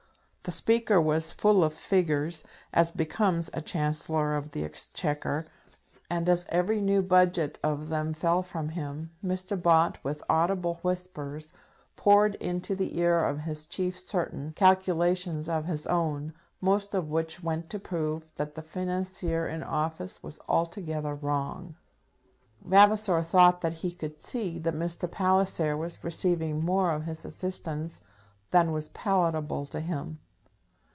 The speaker was full of figures, as becomes a Chancellor of the Exchequer; and as every new budget of them fell from him, Mr. Bott, with audible whispers, poured into the ear of his chief certain calculations of his own, most of which went to prove that the financier in office was altogether wrong. Vavasor thought that he could see that Mr. Palliser was receiving more of his assistance than was palatable to him.